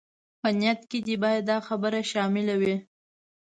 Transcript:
په نيت کې دې بايد دا خبره شامله وي.